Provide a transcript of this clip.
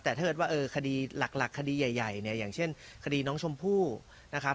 แต่เทิดว่าเออคดีหลักคดีใหญ่เนี่ยอย่างเช่นคดีน้องชมพู่นะครับ